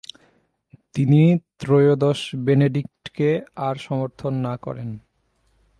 তিনি ত্রয়োদশ বেনেডিক্টকে আর সমর্থন না করেন।